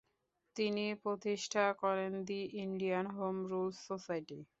তিনি প্রতিষ্ঠা করেন the Indian Home Rule society.